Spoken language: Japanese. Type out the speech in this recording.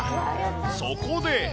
そこで。